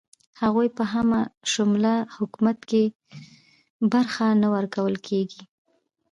هغوی په همه شموله حکومت کې برخه نه ورکول کیږي.